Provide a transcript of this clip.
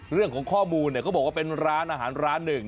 เรื่องของข้อมูลเนี่ยเขาบอกว่าเป็นร้านอาหารร้านหนึ่ง